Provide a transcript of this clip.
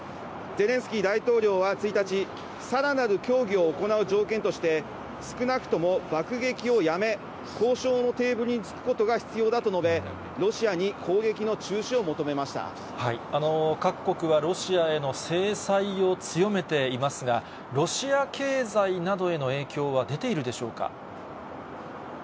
ゼレンスキー大統領は１日、さらなる協議を行う条件として、少なくとも爆撃をやめ、交渉のテーブルにつくことが必要だと述べ、ロシアに攻撃の中止を各国はロシアへの制裁を強めていますが、ロシア経済などへの影響は出ているんでしょうか。